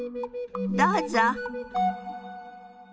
どうぞ。